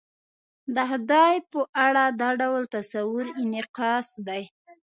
د خدای په اړه دا ډول تصور انعکاس دی.